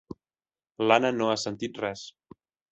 L'Anna no ha sentit res.